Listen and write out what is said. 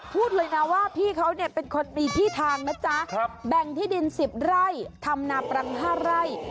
พูดเลยนะว่าพี่เขาเนี่ยเป็นคนมีที่ทางนะจ๊ะแบ่งที่ดิน๑๐ไร่ทำนาปรัง๕ไร่